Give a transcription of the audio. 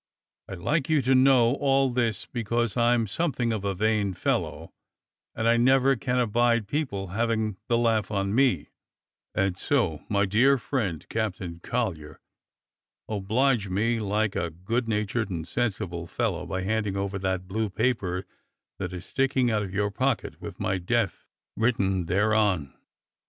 I like you to know all this, because I am something of a vain fellow, and I never can abide people having the laugh on me, and so, my dear friend Captain Collyer, oblige me like a good HOLDING THE PULPIT 285 natured and sensible fellow by handing over that blue paper that is sticking out of your pocket with my death written thereon."